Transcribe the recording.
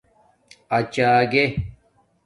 اچاگّے